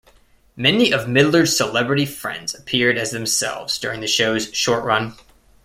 Many of Midler's celebrity friends appeared as themselves during the show's short run.